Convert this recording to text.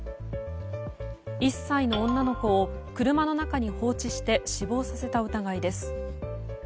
１歳の女の子を車の中に放置して死亡させた疑いです。